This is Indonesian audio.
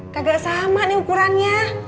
kakak sama nih ukurannya